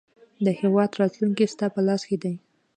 د هیواد راتلونکی ستا په لاس کې دی.